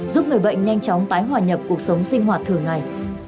giúp người bệnh nhanh chóng tái hòa nhập cuộc sống sinh hoạt thường ngày